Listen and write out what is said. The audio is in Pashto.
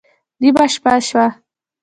نېمه شپه شوه